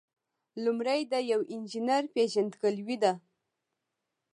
لومړی د یو انجینر پیژندګلوي ده.